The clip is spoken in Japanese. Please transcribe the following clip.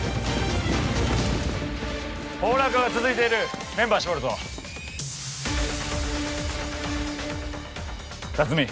崩落が続いているメンバー絞るぞ辰巳